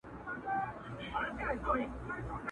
شپه سوه تېره پر اسمان ختلی لمر دی،